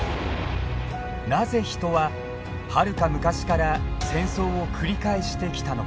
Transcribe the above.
なぜ人ははるか昔から戦争を繰り返してきたのか。